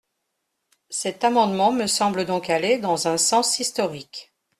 Cet amendement me semble donc aller dans un sens historique.